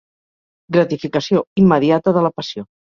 Gratificació immediata de la passió.